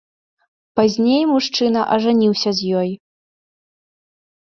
Пазней мужчына ажаніўся з ёй.